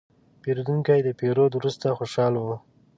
پیرودونکی د پیرود وروسته خوشاله و.